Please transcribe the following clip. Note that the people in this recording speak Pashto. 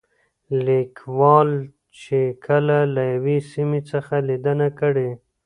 ليکوال چې کله له يوې سيمې څخه ليدنه کړې